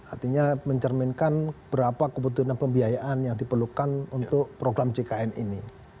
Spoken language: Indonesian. artinya mencerminkan berapa kebutuhan pembiayaan yang diperlukan untuk program jkn ini